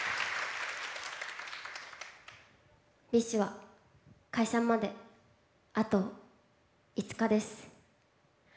ＢｉＳＨは解散まであと５日です。